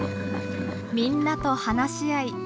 みんなと話し合い